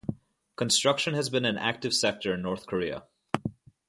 Construction has been an active sector in North Korea.